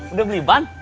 udah beli ban